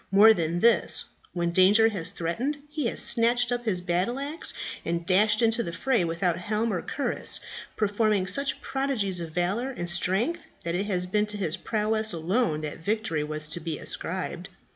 More than this, when danger has threatened he has snatched up his battle axe and dashed into the fray without helm or cuirass, performing such prodigies of valour and strength that it has been to his prowess alone that victory was to be ascribed.